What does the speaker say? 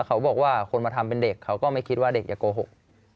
เขาบอกว่าคนมาทำเป็นเด็กเขาก็ไม่คิดว่าเด็กจะโกหก